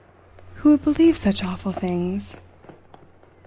"Who would believe such awful things?"